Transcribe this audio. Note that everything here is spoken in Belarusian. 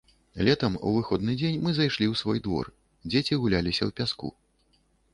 Летам, у выходны дзень мы зайшлі ў свой двор, дзеці гуляліся ў пяску.